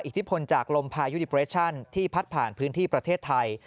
อิทธิพลจากลมพายุดิเปรชั่นที่พัดผ่านพื้นที่ประเทศไทย